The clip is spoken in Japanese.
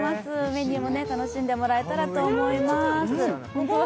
メニューも楽しんでもらえたらと思います。